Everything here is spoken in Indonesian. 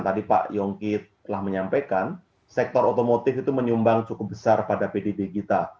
tadi pak yongki telah menyampaikan sektor otomotif itu menyumbang cukup besar pada pdb kita